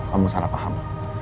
kamu salah paham